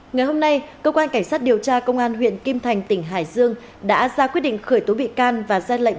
ngày hôm nay cơ quan cảnh sát điều tra công an huyện kim thành tỉnh hải dương đã ra quyết định khởi tố bị cao